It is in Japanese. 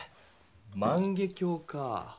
万華鏡かぁ。